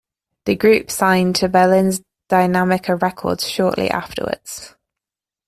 The group signed to Berlin's Dynamica Records shortly afterwards.